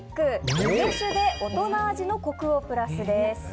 梅酒で大人味のコクをプラスです。